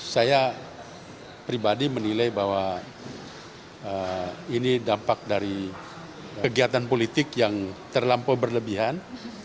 saya pribadi menilai bahwa ini dampak dari kegiatan politik yang terlampau berlebihan